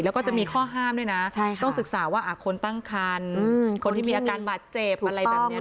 แล้วก็จะมีข้อห้ามด้วยนะต้องศึกษาว่าคนตั้งคันคนที่มีอาการบาดเจ็บอะไรแบบนี้